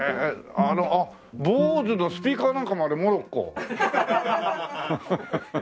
あっＢＯＳＥのスピーカーなんかもあれモロッコ？